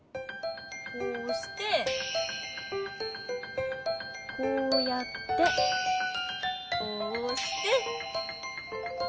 こうしてこうやってこうして。